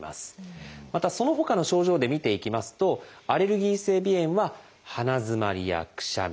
またそのほかの症状で見ていきますとアレルギー性鼻炎は鼻づまりやくしゃみ。